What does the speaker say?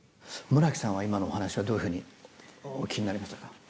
村木さんは今のお話はどういうふうにお聞きになりましたか？